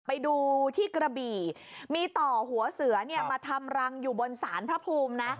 ไปดูที่กระบี่มีต่อหัวเสือเนี่ยมาทำรังอยู่บนศาลพระภูมินะ